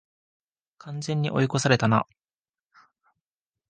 完全に追い越されたな